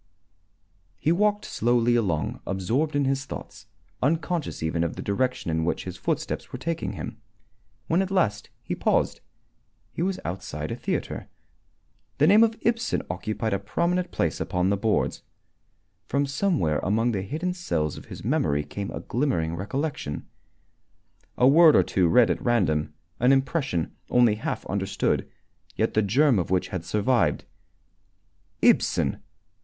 He walked slowly along, absorbed in his thoughts, unconscious even of the direction in which his footsteps were taking him. When at last he paused, he was outside a theatre. The name of Ibsen occupied a prominent place upon the boards. From somewhere among the hidden cells of his memory came a glimmering recollection a word or two read at random, an impression, only half understood, yet the germ of which had survived. Ibsen!